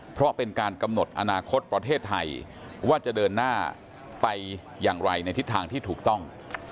เพราะเป็นการกำหนดอนาคตประเทศไทยว่าจะเดินหน้าไปอย่างไรในทิศทางที่ถูกต้อง